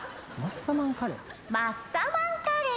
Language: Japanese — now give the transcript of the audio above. マッサマンカレー。